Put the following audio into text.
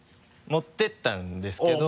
持っていったんですけど。